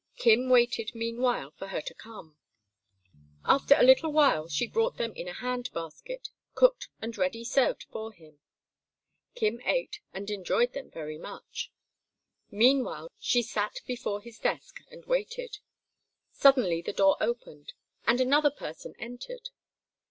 Kim waited, meanwhile, for her to come. After a little while she brought them in a handbasket, cooked and ready served for him. Kim ate and enjoyed them much. Meanwhile she sat before his desk and waited. Suddenly the door opened, and another person entered.